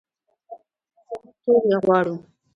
چې موږ ټول یې غواړو.